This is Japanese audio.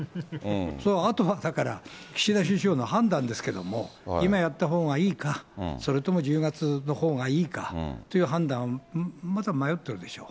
それ、あとはだから、岸田首相の判断ですけども、今やったほうがいいか、それとも１０月のほうがいいかという判断、まだ迷ってるでしょう。